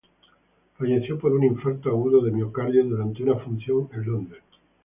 Falleció por un infarto agudo de miocardio durante una función en Londres.